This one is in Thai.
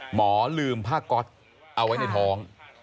หมอลืมผ้าก๊อตเอาไว้ในท้อง